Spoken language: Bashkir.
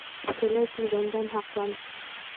Көлә килгәндән һаҡлан.